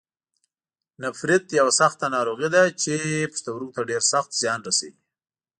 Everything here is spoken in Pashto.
نفریت یوه سخته ناروغي ده چې پښتورګو ته ډېر سخت زیان رسوي.